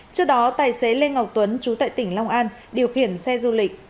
trước đó tài xế lê ngọc tuấn chú tại tỉnh long an điều khiển xe du lịch